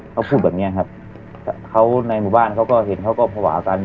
เขาพูดแบบนี้ครับเขาในหมู่บ้านเขาก็เห็นเขาก็ภาวะกัน